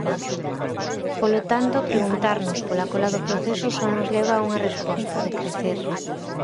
Polo tanto preguntarnos pola cola do proceso só nos leva a unha resposta: decrecer.